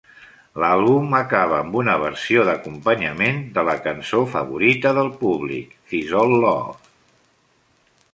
L'àlbum acaba amb una versió d'acompanyament de la cançó favorita del públic "This Old Love".